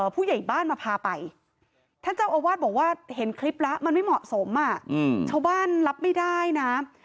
ผู้ใหญ่บ้านมาพาไปท่านเจ้าอาวาสบอกว่าเห็นคลิปแล้วมันไม่เหมาะสมชาวบ้านรับไม่ได้นะ